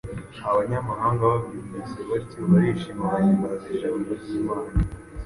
Abanyamahanga babyumvise batyo barishima bahimbaza ijambo ry’Imana,